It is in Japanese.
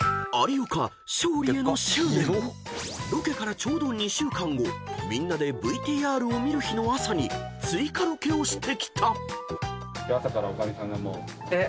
［ロケからちょうど２週間後みんなでＶＴＲを見る日の朝に追加ロケをしてきた］